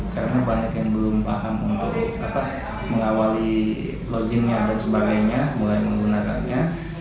karena banyak yang belum paham untuk mengawali login nya dan sebagainya mulai menggunakannya